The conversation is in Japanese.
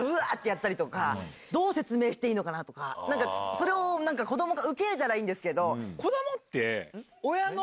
それを子どもが受け入れたらいいんですけど。